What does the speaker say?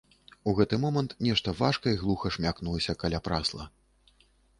У гэты момант нешта важка і глуха шмякнулася каля прасла.